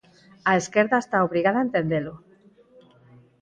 A esquerda está obrigada a entendelo.